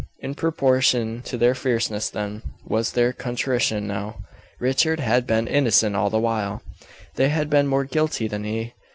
In proportion to their fierceness then, was their contrition now; Richard had been innocent all the while; they had been more guilty than he.